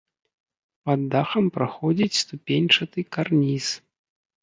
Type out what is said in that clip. Пад дахам праходзіць ступеньчаты карніз.